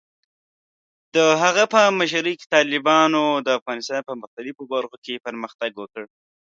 د هغه په مشرۍ کې، طالبانو د افغانستان په مختلفو برخو کې پرمختګ وکړ.